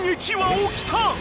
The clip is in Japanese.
［起きた］